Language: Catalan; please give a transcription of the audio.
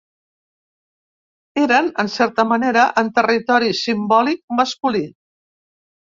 Eren, en certa manera, en "territori simbòlic" masculí.